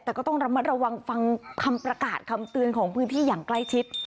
แต่ก็ต้องระมัดระวังฟังคำประกาศคำเตือนของพื้นที่อย่างใกล้ชิด